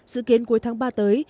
dự kiến cuối tháng ba tới